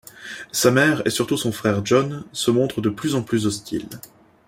Sa mère, et surtout son frère John, se montrent de plus en plus hostiles.